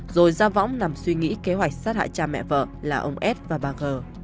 rồi ra võng nằm suy nghĩ kế hoạch sát hại cha mẹ vợ là ông s và bà g